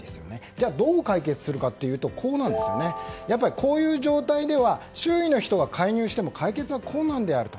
じゃあどう解決するかというとこういう状態では周囲の人が介入しても解決は困難であると。